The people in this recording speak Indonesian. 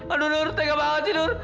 aduh nur teka banget sih nur